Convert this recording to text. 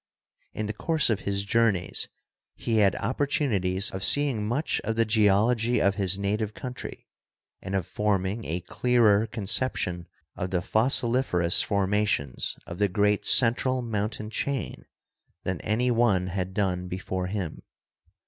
In the course of his journeys he had opportunities of seeing much of the geology of his native country and of forming a clearer conception of the fossiliferous formations of the great central mountain chain than any one had done be fore him.